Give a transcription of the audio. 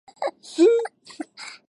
スー